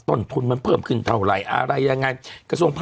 กฎทุนมาเปิดยังเท่าไหร่อะไรยังไง